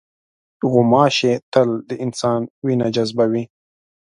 غوماشې تل د انسان وینه جذبوي.